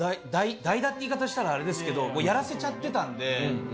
代打って言い方したらあれですけどやらせちゃってたんで。